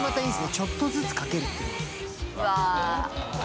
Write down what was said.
ちょっとずつかけるっていうのが藤田）